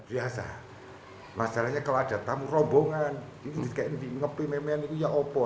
biasa masalahnya kalau ada tamu rombongan ini dikepi memenangnya ya apa